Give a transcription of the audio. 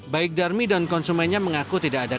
baik darmik dan konsumennya mengaku tidak ada kendala